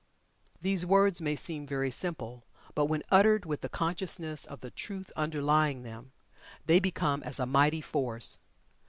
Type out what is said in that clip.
These words may seem very simple, but when uttered with the consciousness of the Truth underlying them, they become as a mighty force.